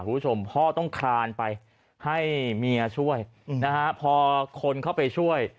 คุณผู้ชมพ่อต้องคลานไปให้เมียช่วยนะฮะพอคนเข้าไปช่วย